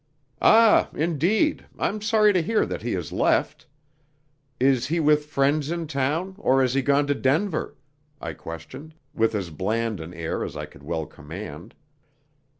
"Ah, indeed, I'm sorry to hear that he has left. Is he with friends in town, or has he gone to Denver?" I questioned, with as bland an air as I could well command.